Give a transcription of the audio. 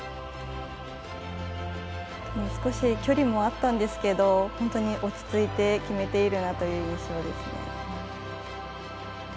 少し距離もあったんですけど落ち着いて決めているなという印象ですね。